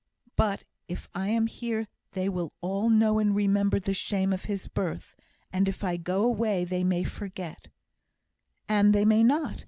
"But if I am here they will all know and remember the shame of his birth; and if I go away they may forget " "And they may not.